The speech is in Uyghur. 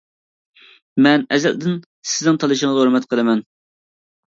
مەن ئەزەلدىن سىزنىڭ تاللىشىڭىزغا ھۆرمەت قىلىمەن.